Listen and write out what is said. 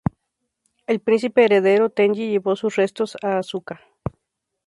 El príncipe heredero Tenji llevó sus restos a Asuka.